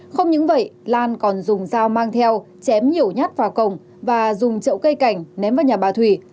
không những vậy lan còn dùng dao mang theo chém nhiều nhát vào cổng và dùng chậu cây cảnh ném vào nhà bà thủy